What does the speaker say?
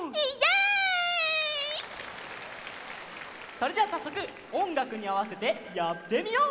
それじゃあさっそくおんがくにあわせてやってみよう！